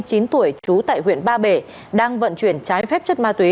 lâm văn kiến năm mươi chín tuổi trú tại huyện ba bể đang vận chuyển trái phép chất ma túy